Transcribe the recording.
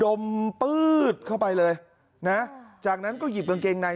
มปื๊ดเข้าไปเลยนะจากนั้นก็หยิบกางเกงใน